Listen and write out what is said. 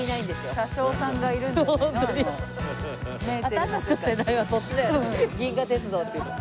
私たちの世代はそっちだよね銀河鉄道っていうと。